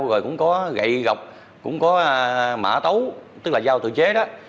rồi cũng có gậy gọc cũng có mã tấu tức là dao tự chế đó